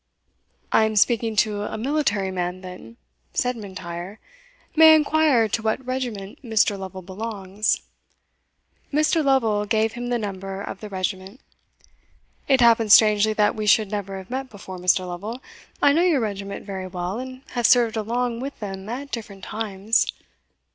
"I am speaking to a military man, then?" said M'Intyre; "may I inquire to what regiment Mr. Lovel belongs?" Mr. Lovel gave him the number of the regiment. "It happens strangely that we should never have met before, Mr. Lovel. I know your regiment very well, and have served along with them at different times."